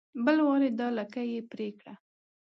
بل وای دا لکۍ يې پرې کړه